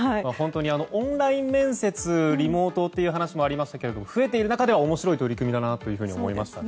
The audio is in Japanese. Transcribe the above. オンライン面接リモートっていう話もありましたけども増えている中では面白い取り組みだなと思いました。